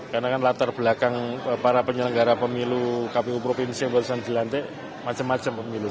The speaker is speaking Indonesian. karena kan latar belakang para penyelenggara pemilu kpu provinsi yang telah dilantik macem macem pemilu